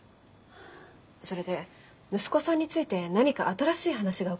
それで息子さんについて何か新しい話が伺えればと思いまして。